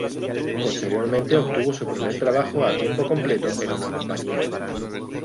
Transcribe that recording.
Posteriormente obtuvo su primer trabajo a tiempo completo en una compañía.